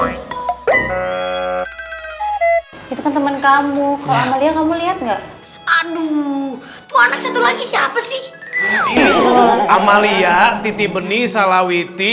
itu temen kamu kamu lihat enggak aduh siapa sih amalia titi benih salawiti